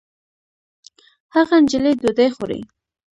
هغه نجلۍ ډوډۍ خوري